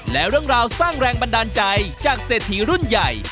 และเรื่องราวสร้างแรงบันดาลใจจากเศรษฐีรุ่นใหญ่